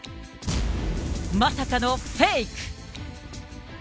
まさかのフェイク！